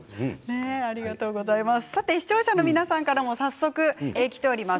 視聴者の皆さんからも早速きています。